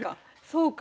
そうか。